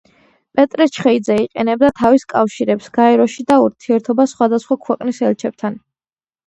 პეტრე ჩხეიძე იყენებდა თავის კავშირებს გაეროში და ურთიერთობას სხვადასხვა ქვეყნის ელჩებთან.